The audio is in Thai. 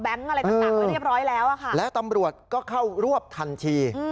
อะไรต่างเรียบร้อยแล้วและตำรวจก็เข้ารวบทันที